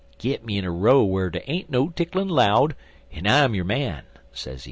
Git me in a row whar dey ain't no ticklin' 'lowed, en I'm your man, sezee.